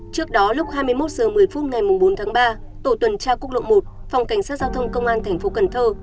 trước đó lúc hai mươi một h một mươi phút ngày bốn tháng ba tổ tuần tra quốc lộ một phòng cảnh sát giao thông công an thành phố cần thơ